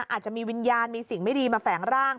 อาจจะมีวิญญาณมีสิ่งไม่ดีมาแฝงร่าง